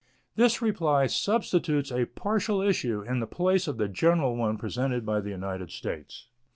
This reply substitutes a partial issue in the place of the general one presented by the United States.